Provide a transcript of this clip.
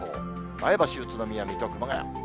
前橋、宇都宮、水戸、熊谷。